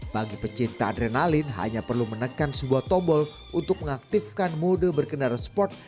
bagi pecinta adrenalin hanya perlu menekan sebuah tombol untuk mengaktifkan mode berkendara sport